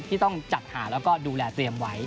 ที่ต้องจัดหาแล้วก็ดูแลเตรียมไว้